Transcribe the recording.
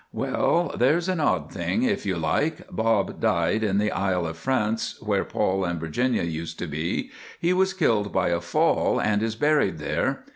"Well, there's an odd thing if you like. Bob died in the Isle of France, where Paul and Virginia used to be. He was killed by a fall, and is buried there.